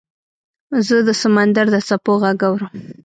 زه د سمندر د څپو غږ اورم .